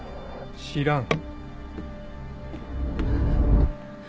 知らん。